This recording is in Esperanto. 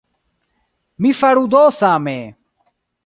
Mi faru do same!